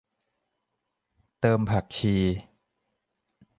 เติมผักชี